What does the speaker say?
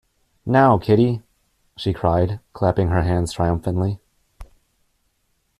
‘Now, Kitty!’ she cried, clapping her hands triumphantly.